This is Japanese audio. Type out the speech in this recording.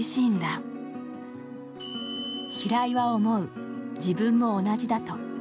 平井は思う、自分も同じだと。